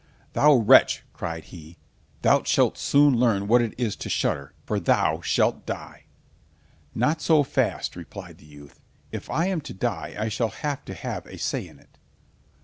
"Thou wretch," cried he, "thou shalt soon learn what it is to shudder, for thou shalt die." "Not so fast," replied the youth, "If I am to die, I shall have to have a say in it."